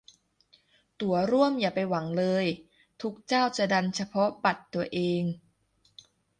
ตั๋วร่วมอย่าไปหวังเลย ทุกเจ้าจะดันเฉพาะบัตรตัวเอง